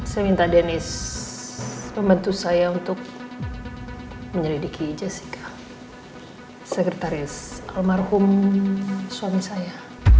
saya minta deniz membantu saya untuk menyelidiki jessica sekretaris almarhum suami saya